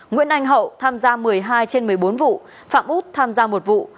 nguyễn anh hậu tham gia một mươi hai trên một mươi bốn vụ phạm út tham gia một vụ